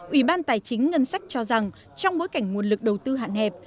ủy ban tài chính ngân sách cho rằng trong bối cảnh nguồn lực đầu tư hạn hẹp